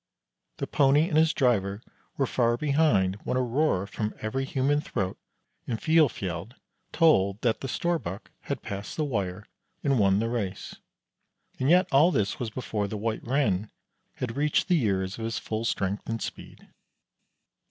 The Pony and his driver were far behind when a roar from every human throat in Filefjeld told that the Storbuk had passed the wire and won the race. And yet all this was before the White Ren had reached the years of his full strength and speed.